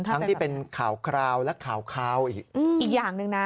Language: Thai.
ทั้งที่เป็นข่าวและข่าวอีกอย่างหนึ่งนะ